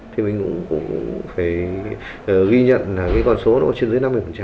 thì mình cũng phải ghi nhận là cái con số nó trên dưới năm mươi